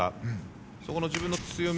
そこの自分の強み